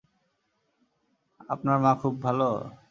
আপনার মা খুব ভালো?